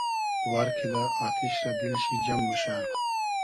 وار کیدۂ آتیش رۂ دیل شی جئم موشۂ